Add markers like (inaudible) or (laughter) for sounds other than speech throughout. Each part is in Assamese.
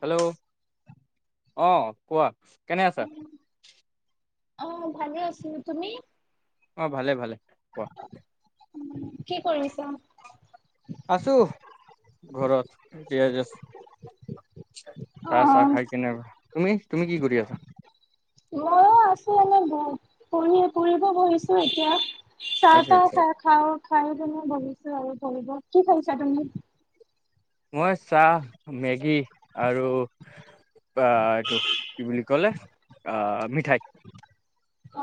হেল্ল' অ', কোৱা। কেনে আছা? অহ, ভালে আছিলো তুমি? অ', ভালে, ভালে। কোৱা উম। আছো ঘৰত। এতি আছ। অ চাহ, চাহ খাই কেনে তুমি? তুমি কি কৰি আছা? ময়ো আছো এনে। পঢ়ি পঢ়িব বহিছো এতিয়া। চাহ আচ্ছা তাহ আচ্ছা খা খাওঁ খাওঁ কেনে বহিছোঁ। (unintelligible) কি কৈছা তুমি? মই চাহ, মেগী আৰু বা, এইটো কি বুলি ক'লে? আহ, মিঠাই।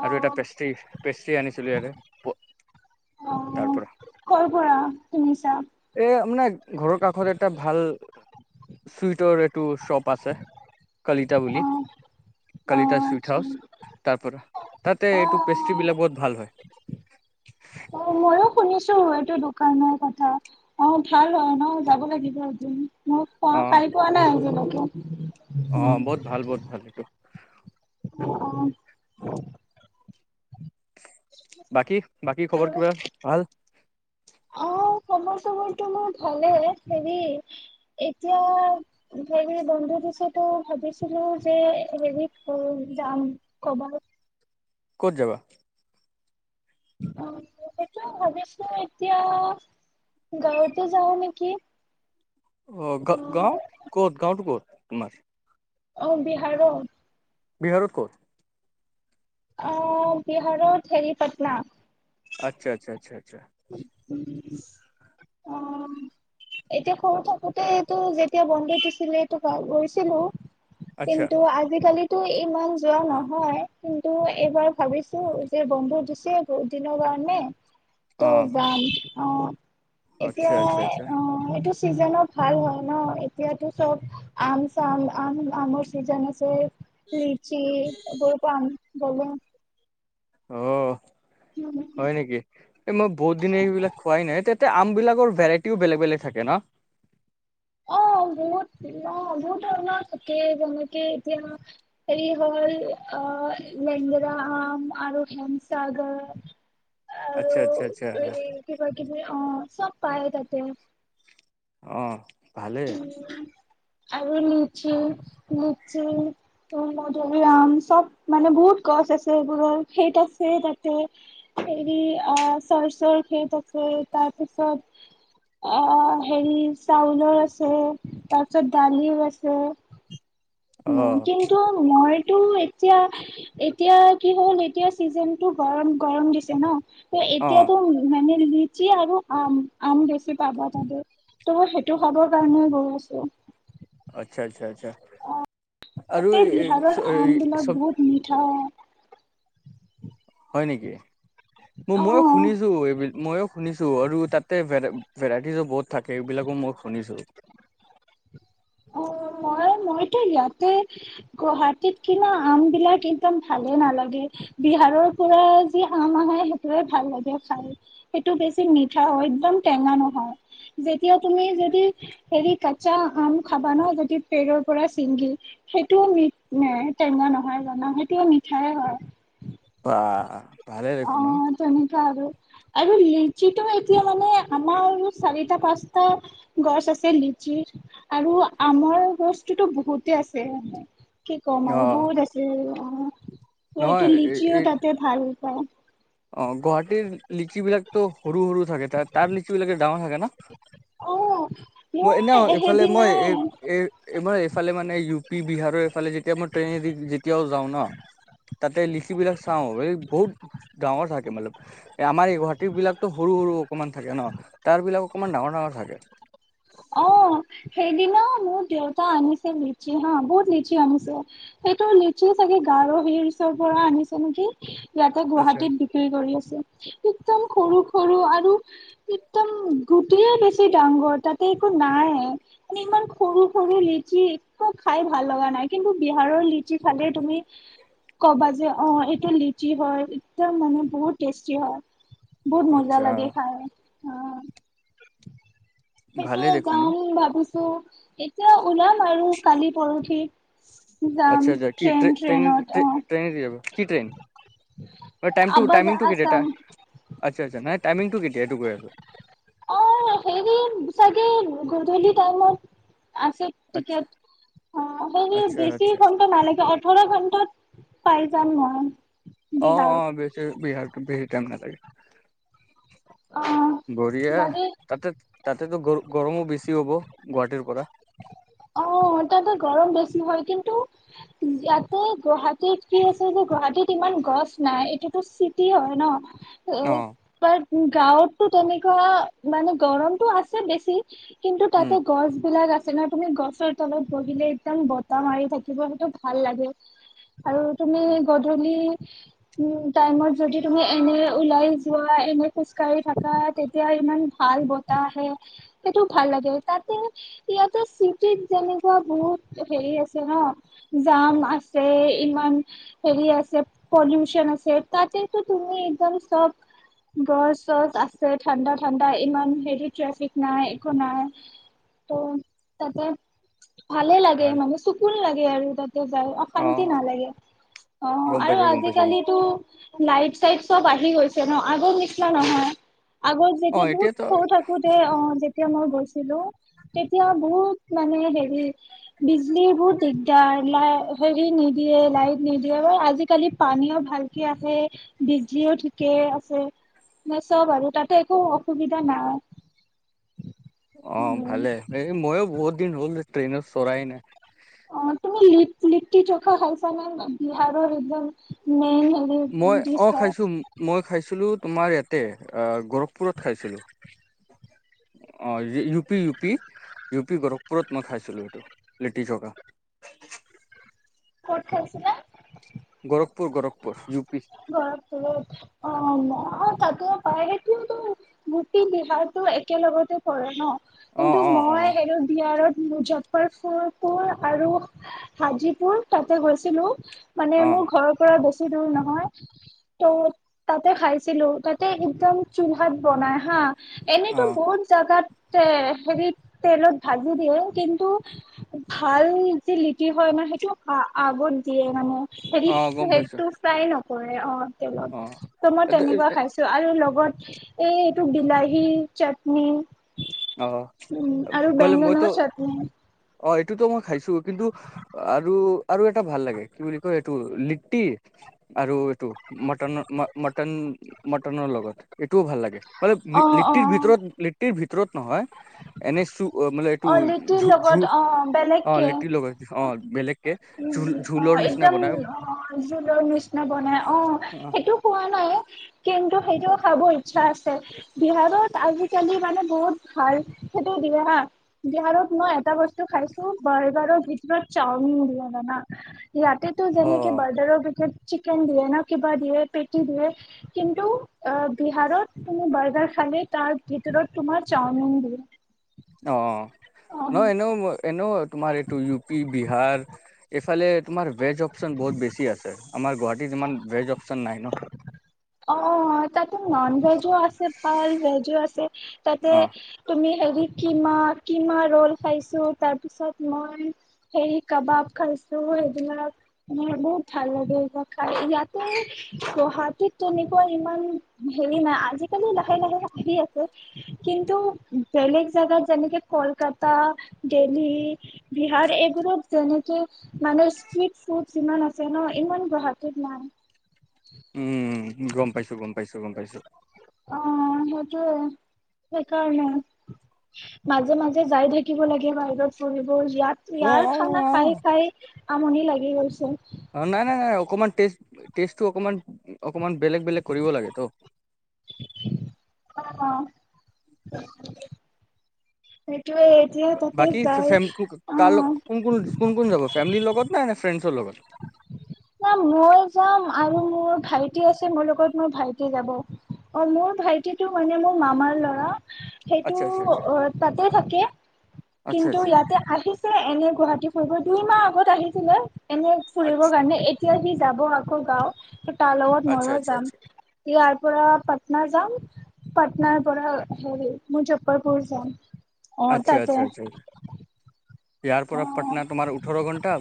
অ আৰু এটা পেষ্ট্ৰী, পেষ্ট্ৰী আনিছিলোঁ ইয়াৰে। প, অ কৰ পৰা শুনিছা এ, মানে ঘৰৰ কাষত এটা ভাল চুইটৰ এইটো শ্ব'প আছে। কলিতা বুলি, অ অ কলিতা চুইট আচ্ছা হাউচ। তাৰ পৰা তে অ এইটো পেষ্ট্ৰ্ৰ বিলাক বহুত ভাল হয়। অ' ময়ো শুনিছোঁ, এইটো দোকানৰ কথা। অ' ভাল হয় ন? যাব লাগিল। আজি আমি মোক প, অ কালি পোৱা নাই, (unintelligible) (inaudible) অ উম। বহুত ভাল বহুত ভাল এইটো অ'। বাকী, বাকী খবৰ অ কিবা, ভাল? সেইবোৰ চাগৈ টো মোৰ ভালেই, হেৰি। এতিয়া হেৰি বন্ধু পিছতো, ভাবিছিলোঁ যে, হেৰি যাম কব ক'ত যাবা? অ' সেইটোৱে ভাবিছোঁ এতিয়া, গাঁৱতে যাওঁ নেকি! অ', গা-গাঁও ক'ত? গাঁওতটো ক'ত? তোমাৰ! অ' বিহাৰৰ। বিহাৰত ক'ত? অ', বিহাৰত হেৰি, পাটনা। আচ্ছা, আচ্ছা, আচ্ছা। উম। অ', এতিয়া সৰু থাকোতেইটো, যেতিয়া বন্ধ দিছিলে টো, ভাল, গৈছিলোঁ। আচ্ছা কিন্তু আজিকালি টো ইমান যোৱা নহয়, কিন্তু এইবাৰ ভাবিছোঁ যে, বন্ধ দিছে, বহুত দিনৰ কাৰণে ত' অ যাম। অ'। আচ্ছা আচ্ছা এতিয়াই, আচ্ছা অ', এইটো চিজনো ভাল হয় ন! এতিয়াতো চব আম-চাম, আম, আমৰ চিজন আছে। লিচ্চি, (unintelligible) পাম। (inaudible) অহ। হয় নেকি? এই, মই বহুত দিনে এইবিলাক খোৱাই নাই। তা আমবিলাকৰ ভেৰাইটিও বেলেগ বেলেগ থাকে ন? অ বহুত, অ বহুত ধৰণৰ থাকে। যেনেকে এতিয়া, হেৰি হল আহ লেংগেৰা আম আৰু হেমসাগৰ আৰু আচ্ছা আচ্ছা আচ্ছা এ কিবা কিবি অ'। চব পায় তাতে। অ'। ভালেই (unintelligible) আৰু লিচি। লিচি, মধুুৰিআম চব মানে বহুত গছ আছে। এইবোৰৰ খেত আছে তাতে, হেৰি অ' চৰ্চ'ৰ খেত আছে। তাৰপিছত অ' হেৰি চাউলৰ আছে। আছে। তাৰপিছত দালিও আছে। অ উম। কিন্তু মই টো এতিয়া, এতিয়া কি হ'ল এতিয়া চিজন টো গৰম, গৰম দিছে ন? অ এতিয়াতো মানে লিচি আৰু আম। আম বেছি পাবা তাতে। ত' মই সেইটো খাবৰ কাৰণে গৈ আছো। আচ্ছা আচ্ছা, আচ্ছা। আৰু তাতে এই বিহাৰৰ আমবিলাক চব বহুত মিঠা হয়। হয় নেকি? মইয়ো অ শুনিছোঁ এইবুলি, মইয়ো শুনিছো আৰু তাতে ভেৰাইটিজো বহুত থাকে। এইবিলাকো মই শুনিছোঁ। অ' মই মইতো ইয়াতে গুৱাহাটীত কিনা আম বিলাক একদম ভালে নালাগে। বিহাৰৰ পৰা যি আম আহে, সেইটোৱে ভাল লাগে খাই। সেইটো বেছি মিঠা হয়, একদম টেঙা নহয়। যেতিয়া তুমি যদি হেৰি, কাচা আম খাবা ন? যদি পেৰৰ পৰা ছিঙি। সেইটোও মিঠ টেঙা নহয় জানা, সেইটোও মিঠায়ে হয়। অ'। অ' তেনেকা আৰু। আৰু লিচিটো এতিয়া মানে আমাৰ আৰু চাৰিটা পাঁচটা গছ আছে লিচিৰ আৰু আমৰ গছটোতো বহুতে আছে। কি ক'ম অ আৰু বহুত আছিল। ত' নহয় এইটো এই লিচিও এই তাতে ভাল অ'। অ', গুৱাহাটীৰ লিচি বিলাকতো সৰু সৰু থাকে তাত। তাৰ লিচিবিলাকে ডাঙৰ থাকে ন? অ মই এনেও মোৰ এইফালে মই এ, সেইদিনাই এ, এ মই এইফালে মানে ইউ পি বিহাৰৰ এইফালে যেতিয়া মই ট্ৰেইনেদি যেতিয়াও যাওঁ ন, তাতে লিচি বিলাক চাওঁ। এ বহুত গাৱঁৰ তোমালোক, এ আমাৰ এই গুৱাহাটীৰ বিলাকতো সৰু সৰু অকমান থাকে ন? তাৰ বিলাক অকমান ডাঙৰ অ', থাকে। অ', সেইদিনা মোৰ দেউতা আনিছে লিচি হা, বহুত লিচি আনিছে। সেইটো লিচি চাগে গাৰ' হিলচৰ পৰা আনিছে নেকি। ইয়াতে আচ্ছা গুৱাহাটীত বিক্ৰী কৰি আছে। একদম সৰু সৰু আৰু একদম গুটিয়ে বেছি ডাঙৰ তাত একো নাইয়ে। মানে ইমান সৰু সৰু লিচি, একো খাই ভাল লগা নাই। কিন্তু বিহাৰৰ লিচি খালে তুমি ক'বা যে, অ' এইটো লিচি হয় একদম মানে বহুত টেষ্টি হয়। বহুত মজা আচ্ছা লাগে খাই। অ',। সেইটো ভালেই দেখোন ন। যাম ভাবিছ তো, এতিয়া ওলাম আৰু কালি পৰখি। আচ্ছা, আচ্ছা। কি ট্ৰেইন ট্ৰেইনেদি ট্ৰেইনেদি যাব। কি ট্ৰেইন? তাৰ টাইমটো আবাজ টাইমিংটো কেতিয়া আছাম তাৰ? আচ্ছা, আচ্ছা, নাই টাইমিংটো কেতিয়া এইটো কৈ আছোঁ। অ হেৰি চাগে গধূলি টাইমত। আছে আচ্ছা টিকেট অ', হেৰি আচ্ছা বেছি আচ্ছা ঘণ্টা নালাগে ওঠৰ ঘণ্টাত পাই যাম মই। অ', বিহাৰ অ' বেছিৰ বিহাৰ। বেছি টাইম নালাগে। অ বঢ়িয়া, বাকী তাতে তাতেতো গ গৰমো বেছি হ'ব। গুৱাহাটীৰ পৰা। অ', তাতে গৰম বেছি হয় কিন্তু, ইয়াতে গুৱাহাটীত কি আছে যে গুৱাহাটীত ইমান গছ নাই এইটোত চিটি হয় ন। অঁ (inaudible) গাঁৱতটো তেনেকুৱাঁ মানে গৰমতটো আছে বেছি কিন্তু তাতে উম গছ বিলাক আছ (inaudible) তুমি গছৰ তলত বহিলে একদম বতাহ মাৰি থাকিব সেইটো ভাল লাগে। আৰু তুমি গধূলি উম', টাইমত যদি তুমি এনে ওলাই যোৱা, এনে খোজ কঢ়ি থাকা, তেতিয়া ইমান ভাল বতাহ আহে, সেইটো ভাল লাগে। তাতে ইয়াত চিটিত যেনেকুৱা বহুত হেৰি আছে ন, জাম আছে ইমান হেৰি আছে, পলিউচন আছে, তাতেটো তুমি একদম চব গছ-চছ আছে, ঠাণ্ডা ঠাণ্ডা ইমান হেৰি ট্ৰেফিক নাই একো নাই ত' তাপা? ভালেই লাগে ভাল মানে চোকুন লাগে আৰু তাতে যাই অশান্তি অঁ নালাগে অ' গম আৰু পাইছো গম পাইছো আজিকালিটো লাইট-চাইট চব আহি গৈছে কেন আগৰ নিচনা নহয়। আগত অঁ যেতিয়া বহুত এতিয়াতো সৰু থাকোতে অ', যেতিয়া মই গৈছোঁ। হেল্ল, তেতিয়া বহুত মানে হেৰি। বিজলী বহুত দিগদাৰ লাই হেৰি নিদিয়ে। লাইট নিদিয়ে অ, আজিকালি পানীও ভালকে আহে। বিজলীও ঠিকে আছে, ম-চব আৰু তাতে একো অসুবিধা নাই। অ, উম ভালে এই মইওঁ বহুত দিন হ'লদে ট্ৰেইনত চৰাই নাই। অ', তুমি লি-লিট্টি চ'খা খাইছানে? বিহাৰৰ একদম মেইন হেৰি মই ডিছ অ', হয় খাইছোঁ মই খাইছিলোঁ তোমাৰ ইয়াতে অ', গৰখপুৰত খাইছিলোঁ। অ', U P U P, U P গৰখপুৰত মই খাইছিলোঁ এইটো, লিট্টি চ'খা। ক'ত খাইছিলাঁ? গৰখপুৰ গৰখপুৰ ইউ প গৰখপুৰত অ', অ, তাতেও পায় কিন্তু গোটেই বিহাৰটো একেলগতে পৰে ন? অ কিন্তু অ অ মই সেইটো বিহাৰত মুজাপ্পৰফৰপুৰ আৰু হাজিপুৰ তাতে গৈছিলো। মানে অ মোৰ ঘৰৰ পৰা বে ছি দূৰ নহয়। ত-তাতে খাইছিলো। তাতে একদম চোলহাত বনাই হা। অ এনেতো বহুত যাগাত তে-হেৰিত তেলত ভাজি দিয়ে কিন্তু, ভাল যি লিটি হয় আমাৰ সেইটো আ-আগত দিয়ে মানে অ গম পাইছো হেৰি-সেইটো চাই ন কৰে অ'। অ তেলত ত-মই তেনেকুৱা খাইছো আৰু লগ ওপৰত এই এইটো বিলাহী চাটনি। অ উম, আৰু মানে মইতো বেঙেনাও চাটনি। অ, এইটোতো মই খাইছো কিন্তু আৰু আৰু এটা ভাল লাগে কি বুলি কয় এইটো লিট্টি আৰু এইটো মটনৰ ম-মটন মটনৰ লগত এইটোও ভাল লাগে। অ অ ম-লিট্টিৰ ভিতৰত-লিট্টিৰ ভিত তেতিয়া নহয় এনে ছোক অ, মানে এইটো অ লিটিৰ লগত (unintelligible) অ অ বেলেগকে লিট্টিৰ লগ-অ বেলেগ উম, অ', একদম অ', জোলৰ নিচিনা বনাই। অ', সেইটো খোৱা নাই। কিন্তু সেইটোও খাব ইচ্ছা আছে। বিহাৰত আজিকালি মানে বহুত ভাল সেইটোওঁ দিয়ে হাঁ। বিহাৰত মই এটা বস্তু খাইছো বাৰ্গাৰৰ ভিতৰত চাওমিন দিয়ে। শুনানা ইয়াতেতো অ যেনেকে হাৰ্ডাৰৰ ভিতৰত চিকেন দিয়ে ন, কিবা দিয়ে, পেটি দিয়ে, কিন্তু অ', বিহাৰত তুমি বাৰ্গাৰ খালে তাৰ ভিতৰত তোমাৰ চাওমিন দিয়ে। অ', অ' ন'এনেওঁ মই এনেওঁ তোমাৰ এইটো ইউ পি, বিহাৰ এইফালে তোমাৰ ভেজ অপচন বহুত বেছি আছে। আমাৰ গুৱাহাটীত ইমান ভেজ অপচন নাই ন। অ তাতে নন ভেজও আছে ভাল ভেজও আছে তাতে অ তুমি হেৰি কিমা কিমা ৰল খাইছো তাৰ পিছত মই হেৰি কাবাব খাইছো সেইবিলাক মোৰ বহুত ভাল লাগে ইয়তেো গুৱাহাটীত তেনেকুৱা ইমান হেৰি নাই আজিকালি লাহে লাহে আহি আছে কিন্তু বেলেগ জোগাত যেনেকে কলকাতা দেল্হী বিহাৰ এইবোৰত যেনেকে মানে ষ্ট্ৰিট ফুড ইমান আছে ন ইমান গুৱাহাটী কি নাই উম গম পাইছো গম পাইছো গম পাইছো অ সেইটোয়ে সেইকাৰণে মাজে মাজে যাই থাকিব লাগে বাহিৰত চৰি ইয়াত অ ইয়াৰ খানা অ খাই খাই আমনি লাগি গ'লছে অ নাই নাই নাই অকমান েষ্টটো অকমান অকমান বেলেগ বেলেগ কৰিব লাগে তো উ অ অ উ উ তয়ে এতিয়া তাতে বাকী যায় ফেম অ কাৰ লগ কোন কোন কোন কোন যাব ফেমিলিৰ লগত নাই নে ফ্ৰেণ্ডছৰ লগত না মই যাম আৰু মোৰ ভাইটি আছে মোৰ লগত মোৰ ভাইটি যাব অ মোৰ ভাইটি টো মানে মোৰ মামাৰ ল'ৰা সেইটো আচ্ছা আচ্ছা তাতে থাকে আচ্ছা কিন্তু আচ্ছা ইয়াতে আহি ছে এনে গুৱাহাটী হৈ গৈ দুই মাহ আগত আহিছিলে এনেই আচ্ছা ফুৰিবৰ কাৰণে এতিয়া সি যাব আকৌ গাঁও তাৰ লগত আচ্ছা ময়ো আচ্ছা যাম ই পৰা পাটনা যাম পাটনাৰ পৰা হেৰি মুজফ্ফৰপুৰ যাম অ আচ্ছা তাতে আচ্ছা আচ্া ইয়াৰ অ পৰা পাটনা তোমাৰ ওঠৰ ঘণ্টা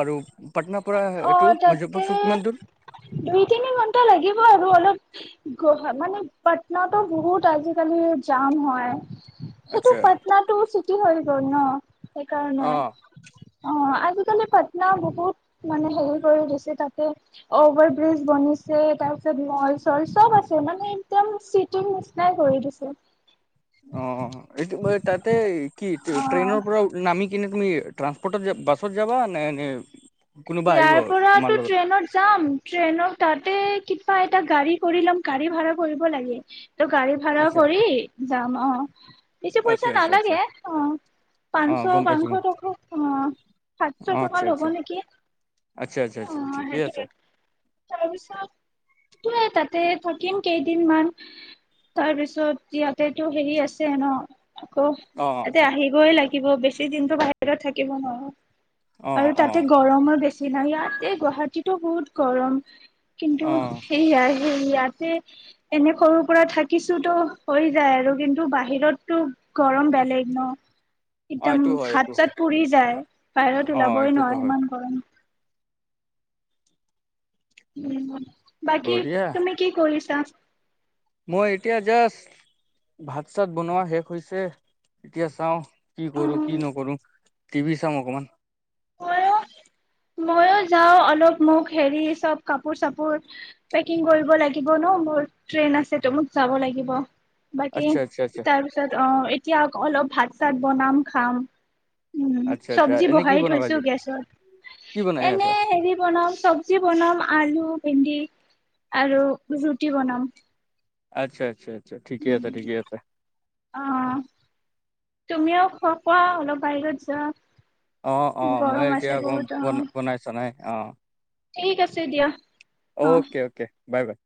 আৰু পাটনাৰ পৰা অ এইটো তাতে মুজফ্ফৰপুৰ কিমান দূৰ দুই তিনি ঘন্টা লাগিব আৰু অলপ গা মানে পাটনাতো বহুত আজিকালি জাম হয় সেই ত আচ্ছা পাটনা টো চিটি হয় শূন অ সেইকাৰণে অ কে পাটন বহু মানে হেৰি কৰি দিছে তাতে অভাৰ ব্ৰিজ বনিছে তাৰ পিছত মল চল চব আছে মানে একদম চিটিৰ নিচিনাই কৰি দিছে অ এইটো তাতে কি অ ট্ৰেইনৰ পৰা নামি কিনে তুমি ্ৰান্সপৰ্টত বছত যাবা নে কোনোবা আহিব ইয়াৰ তোমাৰ পৰাতো লগত ট্ৰেইনত যাম ট্ৰেইনত তাতে পাই এটা গাড়ী কৰি ল'ম। গাড়ী ভাড়া কৰিব লাগে। ত, গাড়ী ভাড়া আচ্ছা কৰি যাম অ'। বেছি পইচা আচ্ছা আচ্ছা আচ্ছা নালাগে। অ', অ পাঞ্চশ গম পাইছো পাংশ মই টকা অ', সাতশ অ টকা আচ্ছা ল'ব আচ্ছা নেকি? আচ্ছা, আচ্ছা, অ আচ্ছা ঠিকেই আছে। সেইটোৱে সেইটোৱেই তাতে থাকিম কেইদিনমান, তাৰপিছত ইয়াতেতো হেৰি আছে ন। আকৌ অ এতিয়া আহিবৈ লাগ থাকিব, বেছি দিনতো বাহিৰত থাকিব নোৱাৰো। অ আৰু অ অ তাতে গৰমো বেছ চিনা ইয়াতে গুৱাহাটীতো বহুত গৰম। কিন্তু সেয়াই ইয়াতে এনে সৰু পৰা থাকিছোতো হৈ যায় আৰু কিন্তু বাহিৰতটো গৰম বেলেগ ন। অ এদাম এইটো হয় এইটো হাত হয় চাত পুৰি যায়, বাহিৰত অ ওলাবই এইটোতো নোৱাৰে হয় ইমান গৰম। উম। বাকী, বঢ়িয়া তুমি কি কৰিছা? মই এতিয়া জাষ্ট ভাত চাত বনোৱা শেষ হৈছে, এতিয়া চাওঁ। কি কৰোঁ, কি উম নকৰোঁ টিভি চাম অকমান। ময়ো, ময়ো যাওঁ অলপ মোক হেৰি, চব কাপোৰ চাপোৰ পেকিং কৰিব লাগিব ন, মোৰ ট্ৰেইন আছে ত' মোক যাব লাগিব। বাকী আচ্ছা আচ্ছা আচ্ছা তাৰপিছত, অ', এতিয়াক অলপ ভাত চাত বনাম, খাম। আচ্ছা, আচ্ছা, এনে কি বনাবা? ছো আজি গেছত, কি বনাই এনে আছা হেৰি বনাম, চবজি বনাম আলু ভেন্দি আৰু ৰুটি বনাম। আচ্ছা আচ্ছা। ঠিকে আছে, ঠিকে আছে। অ তুমিও খোৱা অলপ বাহিৰত যা অ অ মই এতিয়া আকৌ বনাই চনাই, অ। ঠিক আছে দিয়া। Okay okay bye bye.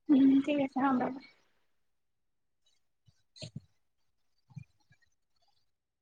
আহ। (unintelligible)